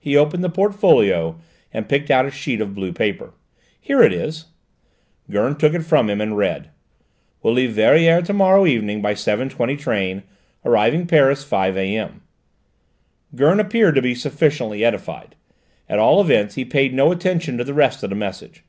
He opened the portfolio and picked out a sheet of blue paper. "Here it is." Gurn took it from him and read: "Will leave Verrières to morrow evening by 7.20 train, arriving Paris 5 A.M...." Gurn appeared to be sufficiently edified: at all events he paid no attention to the rest of the message.